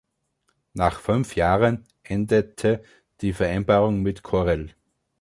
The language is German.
Nach fünf Jahren endete die Vereinbarung mit Corel.